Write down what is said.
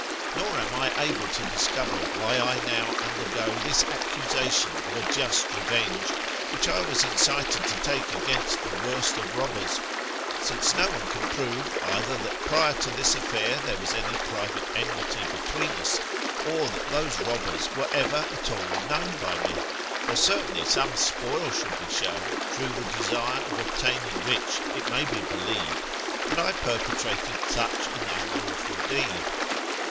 Nor am I able to discover why I now undergo this accusation of a just revenge, which I was incited to take against the worst of robbers, since no one can prove either that prior to this afiair there was any private enmity between us, or that those robbers were ever at all known by me. Or certainly some spoil should be shown, through the desire of obtaining which it may be believed that I perpetrated such an unlawful deed.